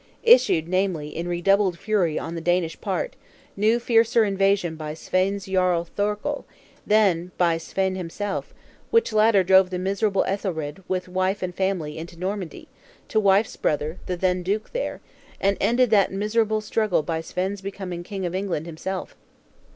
Issued, namely, in redoubled fury on the Danish part; new fiercer invasion by Svein's Jarl Thorkel; then by Svein himself; which latter drove the miserable Ethelred, with wife and family, into Normandy, to wife's brother, the then Duke there; and ended that miserable struggle by Svein's becoming King of England himself.